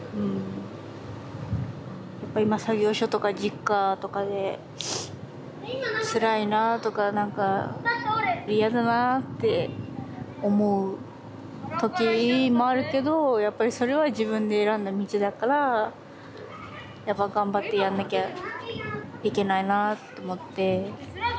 やっぱり今作業所とかＪｉｋｋａとかでつらいなあとか何か嫌だなあって思う時もあるけどやっぱりそれは自分で選んだ道だからやっぱ頑張ってやんなきゃいけないなあと思って。